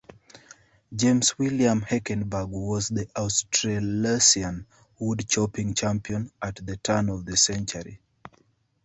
James William Heckenberg was the Australasian Woodchopping Champion at the turn of the century.